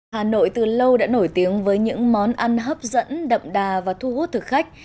hà nội từ lâu đã nổi tiếng với những món ăn hấp dẫn đậm đà và thu hút thực khách